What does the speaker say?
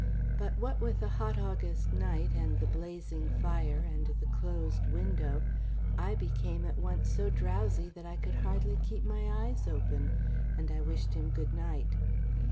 But what with the hot August night, and the blazing fire, and the closed window, I became at once so drowsy that I could hardly keep my eyes open, and I wished him good night.